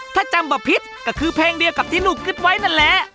ถ้าจำบะพิษก็คือเพลงเดียวกับที่หนูคิดไว้นั่นแหละ